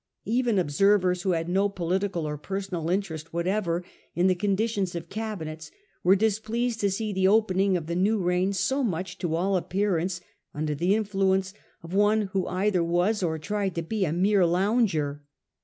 Even observers who had no political or personal interest whatever in the conditions of cabi nets were displeased to see the opening of the new reign so much to all appearance under the influence of one who either was or tried to be a mere lounger.